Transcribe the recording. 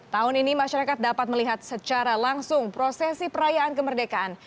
tahun ini masyarakat dapat melihat secara langsung prosesi perayaan kemerdekaan